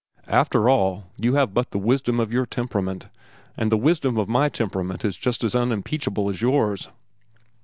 "After all, you have but the wisdom of your temperament, and the wisdom of my temperament is just as unimpeachable as yours."